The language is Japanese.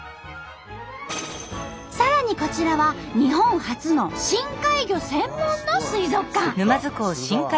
さらにこちらは日本初の深海魚専門の水族館。